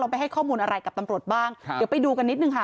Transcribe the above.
ไปให้ข้อมูลอะไรกับตำรวจบ้างครับเดี๋ยวไปดูกันนิดนึงค่ะ